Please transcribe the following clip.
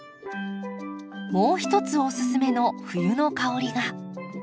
もう一つおすすめの冬の香りが。